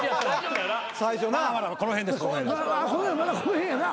まだこの辺やな。